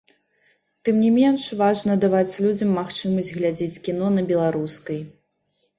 Тым не менш, важна даваць людзям магчымасць глядзець кіно на беларускай.